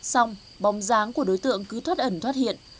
xong bóng dáng của đối tượng cứ thoát ẩn thoát hiện